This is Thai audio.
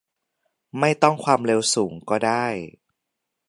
ไม่ต้องความเร็วสูงก็ได้